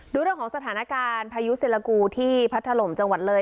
ดูเราของสถานการณ์พายุเสร็จละกูที่พัฒนธรมจังหวัดเลย